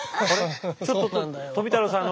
ちょっと富太郎さん